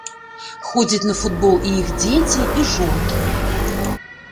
Ходзяць на футбол і іх дзеці, і жонкі.